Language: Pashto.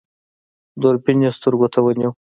دوربين يې سترګو ته ونيو.